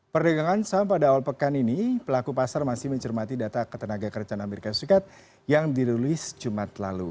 perdagangan saham pada awal pekan ini pelaku pasar masih mencermati data ketenaga kerjaan amerika serikat yang dirilis jumat lalu